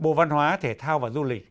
bộ văn hóa thể thao và du lịch